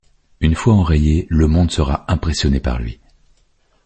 Une fois enrayé, le Monde sera impressionné par lui.